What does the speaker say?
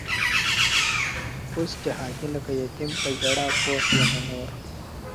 اوس جهاني لکه یتیم په ژړا پوخ یمه نور.